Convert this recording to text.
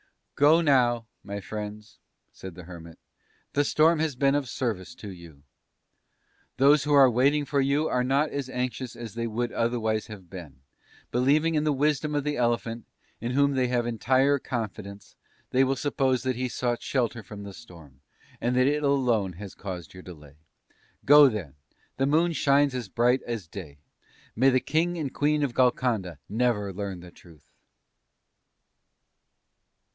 "Go now, my friends," said the Hermit; "the storm has been of service to you. Those who are waiting for you are not as anxious as they would otherwise have been; believing in the wisdom of the Elephant, in whom they have entire confidence, they will suppose that he sought shelter from the storm, and that it alone has caused your delay. Go, then, the moon shines as bright as day. May the King and Queen of Golconda never learn the truth!"...